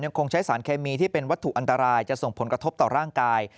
คงใช้สารเคมีที่เป็นวัตถุอันตรายจะส่งผลกระทบต่อร่างกาย